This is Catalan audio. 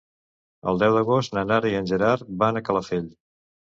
El deu d'agost na Nara i en Gerard van a Calafell.